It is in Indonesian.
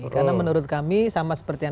karena menurut kami sama seperti yang